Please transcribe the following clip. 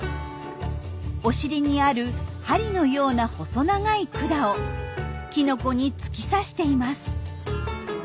お尻にある針のような細長い管をきのこに突き刺しています。